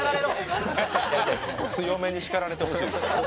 強めに叱られてほしい。